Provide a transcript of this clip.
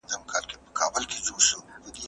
حکومت باید د خلګو د سوکالۍ لپاره کار وکړي.